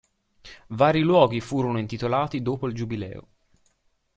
Vari luoghi furono intitolati dopo il giubileo.